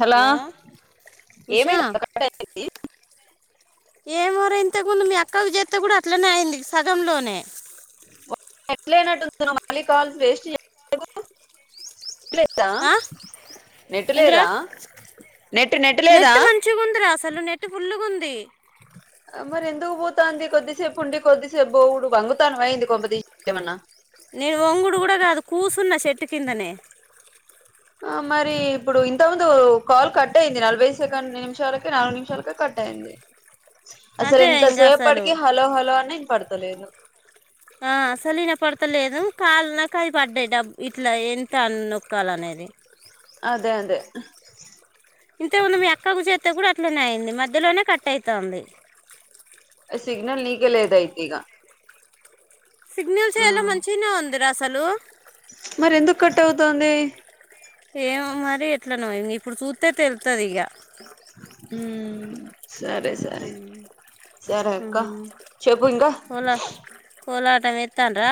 Hello Usha ఏమైనా ఏమో రా ఇంతకుందు మీ అక్కకు చేత్తే కూడా అట్లనే అయింది సగంలోనే ఎట్లయినట్టు తను మళ్ళీ కాల్స్ వేస్ట్ చేయలేవు ద ఆ? ఏందిరా నెటులేదా నెట్ నెట్టు లేదా నెట్ మంచిగా ఉందిరా అసలు నెట్ ఫుల్లుగు ఉంది మరి ఎందుకు పోతాంది కొద్దిసేపు ఉండి, కొద్దిసేపు బోవుడు వంగుతానవా ఎయింది కొంపదిసి ఏమన్నా నేను వంగుడు కూడా కాదు కూర్సున్న చెట్టు కిందనే అ మరి ఇప్పుడు ఇంత ముందు కాల్ కట్ అయింది, నలభై సెకండ్ నిమిషాలకి నాలుగు నిమిషాలకి కట్ అయింది. అసలు అదే ఇంకా అసలు ఎంతసేపటికి హలో హలో అని పడుతలేను ఆ అసలు విన పడతలేదు కాల అవి పడ్డాయి డబ్ ఇట్లా ఎంత అ నొక్కాల అనేది అదే అదే ఇంతేముంది మీ ఎక్కకు చె మత్త కూడా అట్లనే అయింది మధ్యలోనే కట్ అయితాంది. సిగ్నల్ నీకే లేద్ అయితే ఇగ సిగ్నల్స్ ఎలా మంచిన ఉం దరాసలు మరి ఎందుకు కట్ అవుతుంది ఏమో మరి ఎట్లా న ఇ ఇప్పుడు చూస్తే తెలుతది ఇక మ్ సరే సరే సరే అక్క ఉమ్. చెప్పు ఇంకా కోలా కోలాటం ఇత్తాంరా.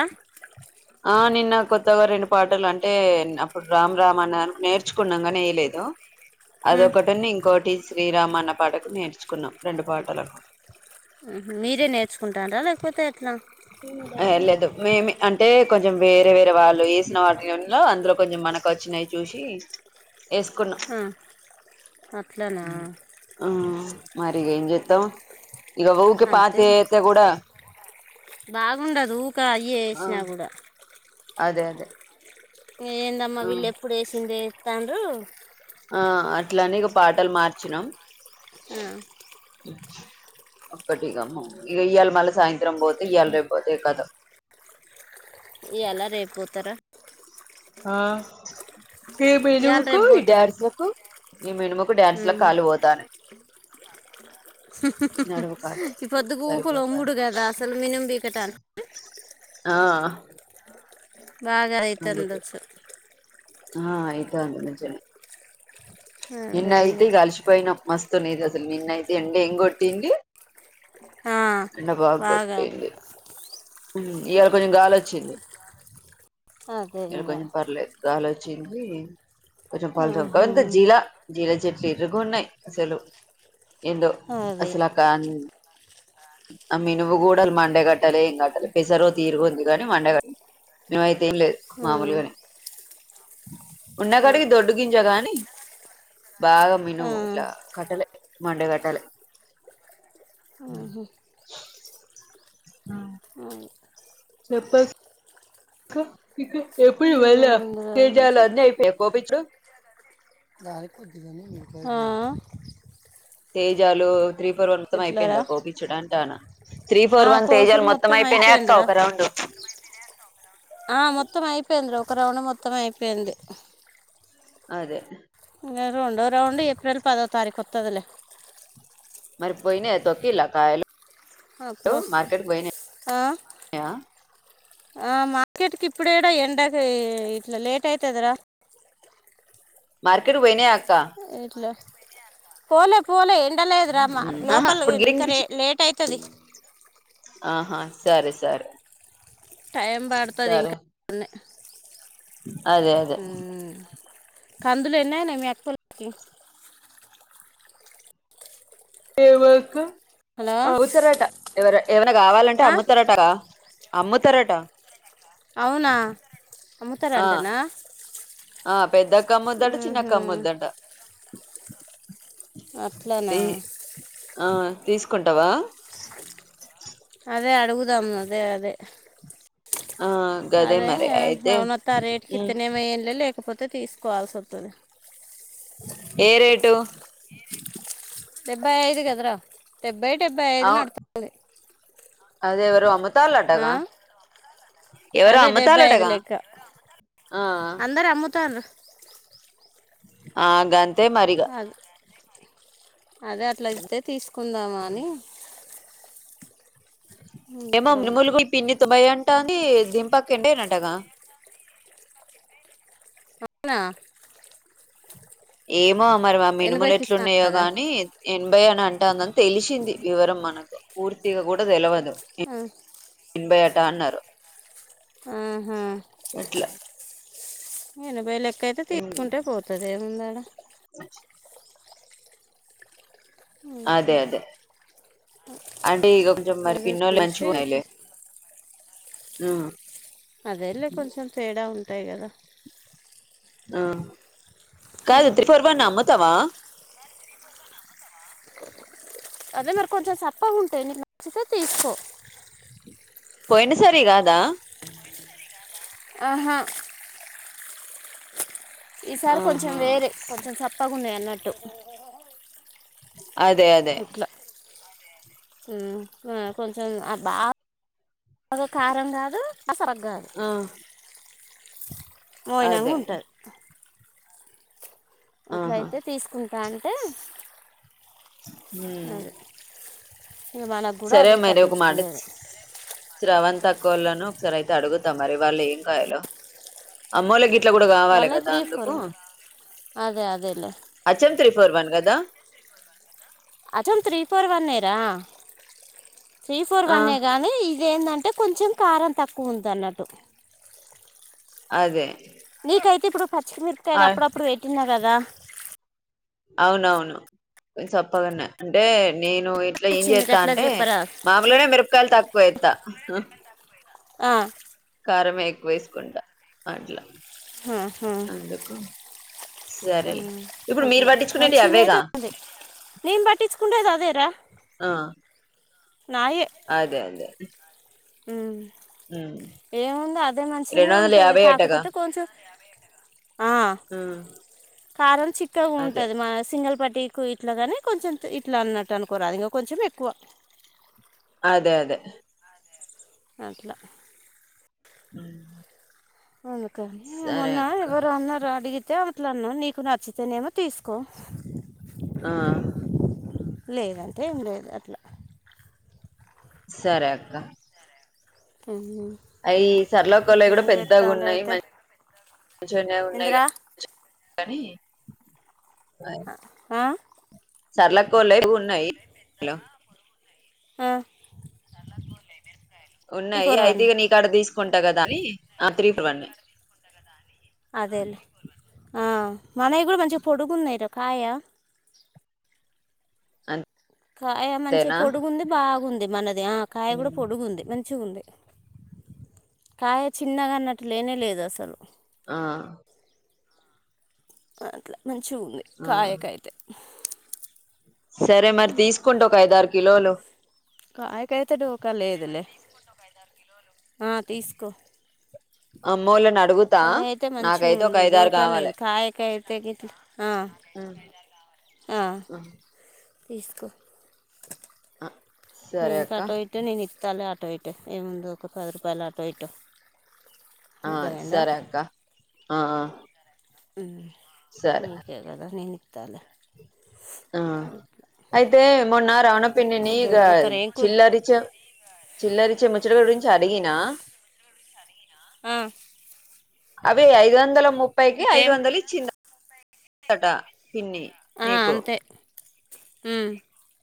న్న కొత్తగా రెండు పాటలు అంటే అప్పుడు రామ్ రామ్ అన్నా నేర్చుకున్నాం కానీ ఏయ లేదు. ఉమ్, అదొకటి ఉంది. ఇంకోటి శ్రీరామ అన్నా పాటకు నేర్చుకున్నాం రెండు పాటలకు. మీరే నేర్చుకుంటార్రా లేకపోతే ఎట్లా. ఏ లేదు మేమే. అంటే కొంచెం వేరే వేరే వాళ్ళు ఎసిన వాటిలో అందులో కొంచెం మనకు వచ్చినయి చూసి ఎసుకున్నాం. ఆ, అట్లానా ఆ మరి ఇగా ఏంచెత్తం. ఇగ ఊకె అంతే పాతయి ఎత్తే కూడా బాగుండదు ఊకా అయే ఆ ఎసినా కూడా అదే అదే ఏందమ్మా ఆ వీళ్ళు ఎప్పుడు ఎసిందె ఎ తాండ్రూ ఆ అట్లాని ఇగా పాటలు మార్చినం. ఒక్కటి ఇగా ము ఇగ ఇయల మల్ల సాయం త్రం పోతే ఇయలరేపు పోతే కతం. ఇయ్యాలా రేపు పోతరా. ఆ ఈ ఇవాళ మినుముకు రేపు ఈ పోతారు డ్యాన్సులకు ఈ మినుముకు డ్యాన్సులకు ఉమ్. కాల్లు పోతన్నయి. కాలు [inaudible] ఈ సరిపోతాంది పొద్దుగూకులొమ్ముుడు కదా అసలు మినుం పీకటానికి ఆ అ బాగా అందుకు అయితుందొచ్చు. ఆ అయితాంది మంచిగనే అదే నిన్నయితే ఇంకా ఇగా అలిసిపోయినం. మస్తున్నయి ఇగా అసలు నిన్న ఐతే ఎండ ఎంగొట్టింది. ఆ, ఎండ బాగ బాగా గొట్టింది. హ్ ఇయాళ కొంచెం గాలి వచ్చింది. అదే ఇయాలా ఇంకా కొంచెం పర్లేదు గాలి చ్చింది కొంచెం పల్చగా గది ఉహుం. అంతా జిలా జిలా చె ఇరుగున్నయి అసలు ఎందో అదే అసలాకాని ఆ మినువు కూడా మండే కట్టలె ఏం కట్టలె. పెసరు ఓ తీరుగుంది కాని మండే క మేంఅయితే ఏం లేదు మామూలు ఉమ్. గనె ఉన్న అదే కాడికి దొడ్డు గింజ కాని బాగా ఆ, మినుము ఇట్లా కట్టలే మండే కట్టలె. ఆ చెప్పు ఏముందిరా ఇది చెప్పు. [unintelligible] అ తేజాలు త్రీ ఫోర్ వన్ మొత్తం ఎట్లారా అయిపోయిందా కోపిచ్చడ అంటా అనా త్రీ ఆ, ఫోర్ వన్ కోసుడు తేజాలు మొత్తం అయిపోయినాయి అక్క అయిపోయిందిరా ఒక రౌండు ఆ, మొత్తం అయిపోయిందిరా ఒక రౌండ్ మొత్తం అయిపోయింది అదే రెండో రౌండ్ ఏప్రిల్ పదో తారీఖు వస్తుందిలే మరి పోయినయా తొక్కిల కాయలు అప్పుడు మార్కెట్ పోయినాయా ఆ ఆ మార్కెట్కి ఇప్పుడాడ ఎండక ఇట్లా లేట్ అయితదిరా మార్కెట్ పోయనయ ఇట్లా పోలే పోలే ఎ లేదు రామ్మ ఆహా లోపల ఇప్పుడు ఇంక గిరింగ్ లేట్ అయి చది ఆహా సరే సరే టైం బడుతది సరే ఇంకా అదే అదే ఉమ్. కందులు ఎన్నయినయ్ మీ అక్కోళ్ళకి ఏవక హలో ముత్తరాట ఎవ ఏవైనా గావాలంటే ఆ అమ్ముత్తరాటగా అమ్ముతరట అవునా అమ్ముతార ఆ అంటేనా ఆ పెద్దక్క మ్ముద్దట చిన్నక్క మ్ముద్దట అట్లన తీ ఆ తీసుకుంటావా అదే అడుగుదాం అదే అదే ఆ గదే అదే మరి అయితే అవునత్తా రేట్ ఉమ్ కిత్తనేమల్లే లేకపోతే [unintelligible] తే తీసుకోవాల్సి ఒత్తుది ఏ రేటు డెబ్బై ఐదుగదరా డెబ్బై డెబ్బై ఐదు నడుతుంది అదే ఎవరో ఆ తలటగా ఎవరు అదే డెబ్బై ఐదు అమ్ముతళటగా లెక్క ఆ అందరు అమ్ముతాండ్రు ఆ గన్ [inaudible] తె మారీగా అదే అదే అట్లాయితే తీసు కుందామాని ఏమొ ఇంట్లోనే ములు పిన్నితో భయాం [inaudible] [unintelligible] టంది దింపక్ ఎంటెనటగా [inaudible] అవునా ఏ మో మరి ఆ మినుములు ఎనభైకి ఎట్లు ఇస్తాను ఉన్నాయో కదా గాని ఎనభై అనీ అన్ [unintelligible] టాంగ తెలిసింది వివరం మనకు పూర్తిగా కూడా తెలవదు ఆ ఎన్బయాట అన్నారు ఆహా అట్లా ఎనబాయ్ లేక్ క్కైతే ఉమ్. తీసుకుంటే పోతది ఏముందడ అదే అదే అంటే ఈ కొంచెం [unintelligible] మరి అదే పిన్నోళ్లు లే చూసి మంచిగున్నాయి లే తీ- ఆ అదేలే కొంచెం తేడా ఉ టై కద ఆ కాదు త్రి పర్ [inaudible] న అమ్ముతవా అదే మరి కొంచెం సప్పగుంటయి నీకు నచ్చితే తీసుకో పోయిన సారియి కాదా ఆహా ఈసారి కొంచెం ఆహా వేరే కొంచెం సప్ప గున్నయన్నట్టు [inaudible] అదే అదే హు అ కొంచెం ఆ బాగాగా కారం కాదు అ సరగ్గాదు ఆ అదే మోయినంగుంటది అట్ల ఆహా అయితే తీసుకుం టంటే ఊ ఇక మనకు కూడా సరే అదే మరి ఒక మాట పట్టించుకునేది స్రవంతి ఆ క్క లని ఒకసారి అయితే అడుగుతా మరి వాళ్ళు ఏం కాయలో అమ్మలకి ఇంట్లో కూడా కావాలి వాళ్ళవి కదా త్రీ అందుకు ఫోర్ అదే అదేలే హచ్ఎం త్రీ ఫోర్ వన్ కదా అచం త్రీ ఫోర్ వన్ ఎరా త్రీ ఫోర్ ఆ వన్ ఏ గాని ఇదేందంటే అంటే కొంచెం కారం తక్కువ ఉంది అన్నట్టు అదే నీకైతే ఇప్పుడు పచ్చిమిరకాయలు ఆ ఆప్పుడప్పుడు పెట్టినా కదా దా అవునవును చప్పగున్నాయి అంటే నేను ఇట్లా ఏం వచ్చింది చేస్తా అట్లా అంటే చెప్పరా మామూలునే మిరపకాయలు తక్కు పోయత్త ఉ ఆ కారమే ఎక్కువ వేసుకుంటా అట్లా హా హా అందుకు ఆ సరేలే ఇప్పుడు మీరు అట్లా పట్టించుకునేటివి మంచిగానే అవేగా ఉంటది నేను పట్టించుకునేది అదేరా ఆ అదే అదే ఉ ఉమ్. ఏముందో అదే మంచిగానే రెండు వందల ఉంటది యాభై అటగా కాకపోతే కొంచెం ఆ ఉమ్, కారం చిక్కగా అదే ఉంటది మ సింగల్ పట్ కు ఇట్లాగానే కొంచెం ఇట్లా అన్నట్టు అనుకోరా అది ఇంకా కొంచెం ఎక్కువ అదే అదే అట్లా ఉ అందుకని మొన్నా ఎవరు అన్నారు రా అడిగి అయితే అట్లన్న నీకు నచ్చితేనేమో తీసుకో ఆ లేదంటే ఏం లేదు అట్లా సరే అక్క ఆ అవి సరళ అక్కా వాళ్ళవి కూడా పెద్దగా ఉన్నాయి అయితే మంచి మంచిగానే ఉన్నాయి ఇందిరా కానీ హా సరళ అక్కా వాళ్ళవి ఉన్నాయి ఆ ఈ ఉన్నాయి అయితే పొరవాన్ని ఇక నీకాడ తీసుకుంటా కదా అని త్రీ టు వన్ ఏ అదేలే ఆ మనవి కూడా కుంచం పొడుగు ఉన్నాయి రా కాయ అం కాయ మంచి పొడుగుంది బాగుంది మన ఆ కాయ కూడా పొడుగు ఉంది మ మచ్చి ఉంది కాయ చిన్నగా అన్నట్టులేనే లేదు అసలు ఆ అట్లా మంచి ఉంది ఆ కాయక అయితే సరే మరి తీసుకుంటే ఒక ఐదురు కిలోలు కాయకి అయితే దోకా లేదులే తీసుకు ఆ మూలాన కాయ అయితే మంచిగా ఉంది కావాలి దోకలేదు కాయకి అయితే గిట్ల తీసుకో అహా నీకు అటు అయితే నేను ఇత్తలే ఆటో ఇట ఏముందు ఒక పది రూపాయలు ఆటో ఇటో ఆ సరే అక్క ఆ అహా సరే నీకు కథ నే తాలే ఆ అయితే మొన్న రాను పిన్నిని ఇంకేం చేస్తారు ఏం కూర చిల్లరిచ చిల్లరిచ ము చిచ్చ గురించి అడిగినా ఆ అవి ఐదు వందల ము ప్పైకి అయితే ఐదు వందలు ఇచ్చింది ఆ తట పిన్ని నీకు మ్మ్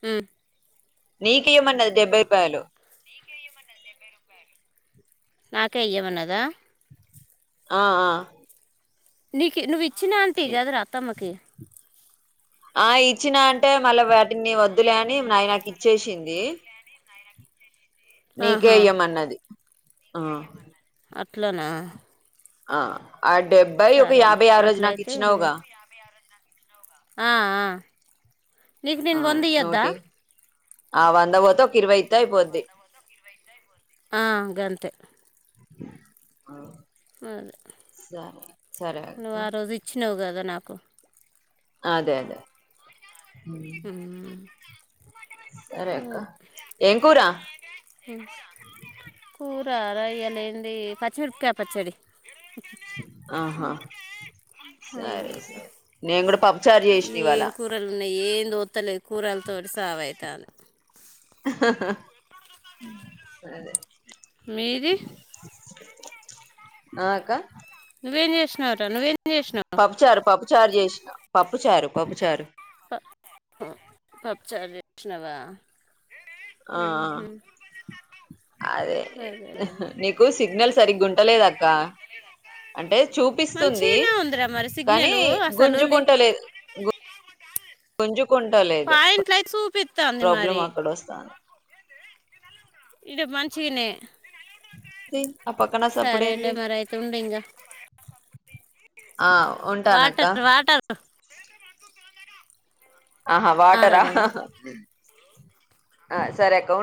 మ్మ్ నీకు ఇయ్యమన్నది డెబ్బై రూపాయలు. నాకే ఇయ్యమన్నదా. ఆహ్ ఆహ్. నీకే నువి. ఇచ్చిన అంటివి కదరా అత్తమ్మకి. ఆహ్ ఇచ్చినా అంటే మళ్ళా వాటిని వద్దులే అని నావి నాకు ఇచ్చేసింది. నీకే ఆహా ఇయ్యమన్నది. ఆహ్ అట్లానా. ఆహ్. ఆహ్ డెబ్బై ఒక యాభై. ఆ రోజు నాకు ఇచ్చినావుగా. ఆహ్ ఆహ్. నీకు ఆ నేను వంద ఇయ్యోద్దా. నూటి ఆ వంద పోతే ఒక ఇరవై ఇత్తే అయిపోద్ది. ఆహ్ గంతే. ఆహ్ అదే అక్క నువ్వు ఆ రోజు ఇచ్చినావు కదా. సార్ నాకు. అదే అదే. ఉమ్ సరే అక్క ఏం కూరా. అరే ఇయ్యాల ఏంది పచ్చిమిరపకాయ పచ్చడి. ఆహా అవును. సరే సరే నేను కూడా. పప్పు చారు చేసిన ఇవాళ. ఏందోత్తాలేదు కూరలతోటే సావుఅయితంది. సరే. మీది. ఆహ్ అక్క. నువ్వేం చేస్తున్నావ్ రా నువ్వేం. చేసినావు పప్పు, చారు పప్పు. చారు చేసిన పప్పు చారు, పప్పు చారు. పప్పు చారు జేష్నవా. ఆహ్ ఆహ్ అదే నీకు సిగ్నల్ సరిగ్గా ఉం. ఉంటలేదక్కా. అంటే చూపిస్తుంది మంచిగానే ఉందిరా మరి కానీ సిగ్నల్ అసలు లే- గుంజుకుంటలేదు గుం. కొంజుప్. పాయింట్ లైకి చూపి ప్రాబ్లమ్ అక్కడ వస్తా ఆ ఇడ మంచిగానే ఇ సరేలే మరి అయితే ఉండ ఇంకా ఆ ఉంటానక్క వాటర్ వాటర్ ఆహా వాటరా సరేరా ఆ సరే అక్క ఉం